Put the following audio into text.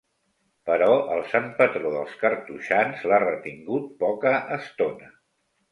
Però el sant patró dels cartoixans l'ha retingut poca estona.